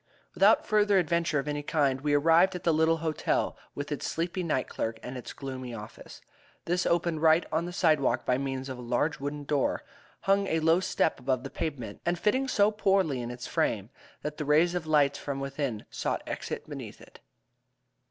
Without further adventure of any kind we arrived at the little hotel, with its sleepy night clerk and its gloomy office. This opened right on the sidewalk by means of a large wooden door, hung a low step above the pavement, and fitting so poorly in its frame that the rays of the light from within sought exit beneath it.